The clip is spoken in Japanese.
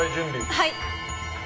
はい。